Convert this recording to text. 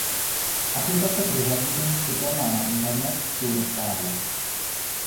Aplikace pro zařízení připojená na internet jsou rozsáhlé.